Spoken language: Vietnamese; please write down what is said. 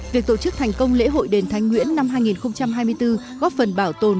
việc tổ chức thành công lễ hội đền thánh nguyễn năm hai nghìn hai mươi bốn góp phần bảo tồn